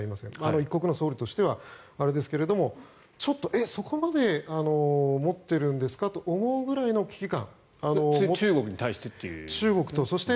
一国の総理としてはあれですけどちょっとそこまで思っているんですかと思うぐらいの危機感。